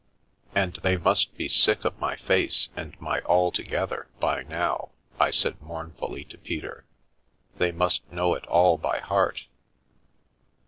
"And they must be sick of my face and my ' alto gether ' by now," I said mournfully to Peter, " they must know it all by heart."